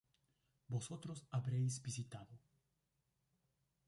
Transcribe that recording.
Vosotros habréis visitado